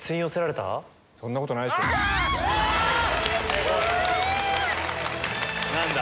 すごい！何だ？